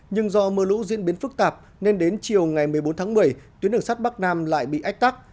nhưng do mưa lũ diễn biến phức tạp nên đến chiều ngày một mươi bốn tháng một mươi tuyến đường sắt bắc nam lại bị ách tắc